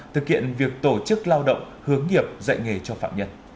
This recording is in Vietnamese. thực hiện việc tổ chức lao động hướng nghiệp dạy nghề cho phạm nhân